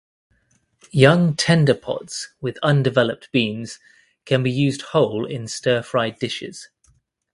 Young tender pods with undeveloped beans can be used whole in stir-fried dishes.